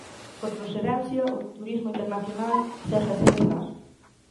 Por procedencia, o turismo internacional segue a ser escaso.